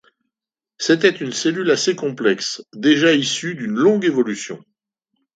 C'était une cellule assez complexe, déjà issue d'une longue évolution.